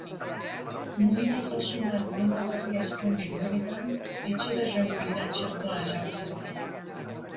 Mugikortasuna gomendagarria ez den egoeretan, etxera joango dira txertoa jartzera.